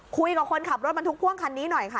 คุยกับคนขับรถบรรทุกพ่วงคันนี้หน่อยค่ะ